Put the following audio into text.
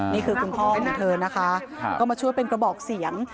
นี่คือคุณพ่อของเธอนะคะก็มาช่วยเป็นกระบอกเสียง